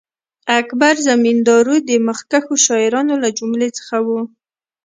اکبر زمینداوری د مخکښو شاعرانو له جملې څخه وو.